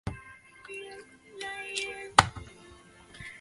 桃树战争分布的拓垦地所发动的大规模攻击。